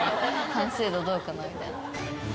「完成度どうかな？」みたいな。